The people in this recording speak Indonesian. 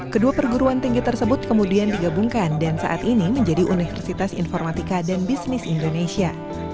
kedua perguruan tinggi tersebut kemudian digabungkan dan saat ini menjadi universitas informatika dan bisnis indonesia